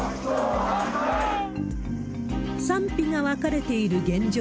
賛否が分かれている現状